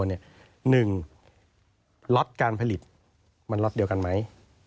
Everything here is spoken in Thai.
หนึ่งล็อตการผลิตมันล็อตเดียวกันไหม